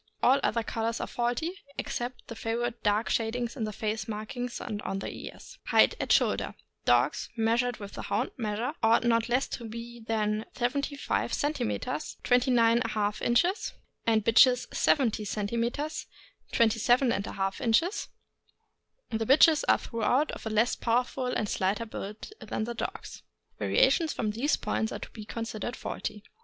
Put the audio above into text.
All other colors are faulty, except the favorite dark shadings in the face markings and on the ears. Height at shoulder. — Dogs (measured with the Hound measure) ought not to be less than 75 centimeters, (29£ inches), and bitches 70 centimeters (27J inches). The bitches are throughout of a less powerful and slighter build than the dogs. Variations from these points are to be considered faulty.